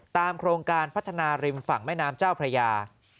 โครงการพัฒนาริมฝั่งแม่น้ำเจ้าพระยา